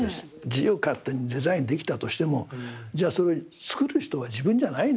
自由勝手にデザインできたとしてもじゃあそれ造る人は自分じゃないのよね。